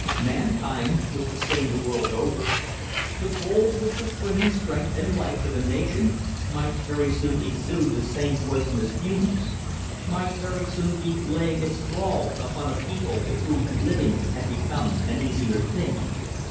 Mankind was the same the world over. The gold which was bringing strength and life to the nation might very soon exude the same poisonous fumes, might very soon be laying its thrall upon a people to whom living had become an easier thing.